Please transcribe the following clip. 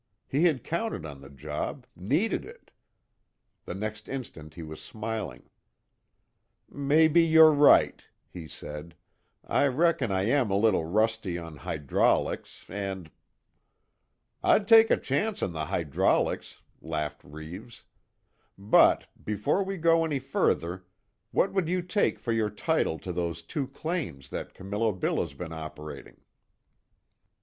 He had counted on the job needed it. The next instant he was smiling: "Maybe you're right," he said, "I reckon I am a little rusty on hydraulics and " "I'd take a chance on the hydraulics," laughed Reeves, "But before we go any further, what would you take for your title to those two claims that Camillo Bill has been operating?"